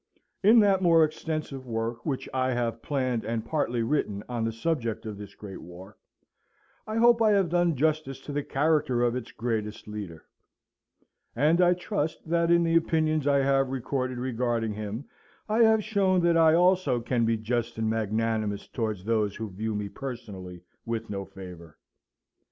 In that more extensive work, which I have planned and partly written on the subject of this great war, I hope I have done justice to the character of its greatest leader. [And I trust that in the opinions I have recorded regarding him, I have shown that I also can be just and magnanimous towards those who view me personally with no favour.